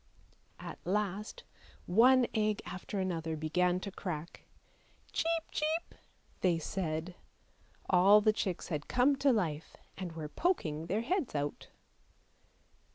At last one egg after another began to crack. " Cheep, cheep! " they said. All the chicks had come to life, and were poking their heads out.